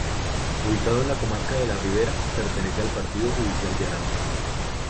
Ubicado en la comarca de La Ribera, pertenece al partido judicial de Aranda.